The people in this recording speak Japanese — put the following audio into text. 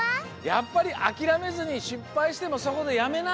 やっぱりあきらめずにしっぱいしてもそこでやめない。